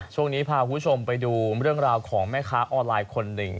ช่วงนี้พาคุณผู้ชมไปดูเรื่องราวของแม่ค้าออนไลน์คนหนึ่ง